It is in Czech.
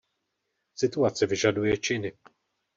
Situace vyžaduje činy.